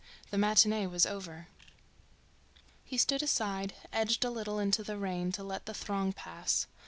The matinee was over. He stood aside, edged a little into the rain to let the throng pass.